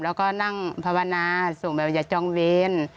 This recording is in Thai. แล้วก็นั่งภาวนาส่งแบบว่าอย่าจองเวร